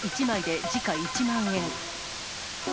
１枚で時価１万円。